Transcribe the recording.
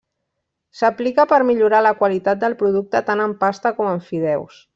S'aplica per millorar la qualitat del producte tant en pasta com en fideus.